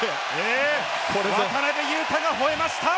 渡邊雄太が吼えました。